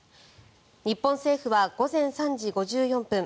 日本政府は午前３時５４分